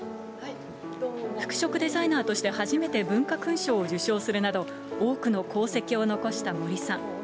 服飾デザイナーとして初めて文化勲章を受章するなど、多くの功績を残した森さん。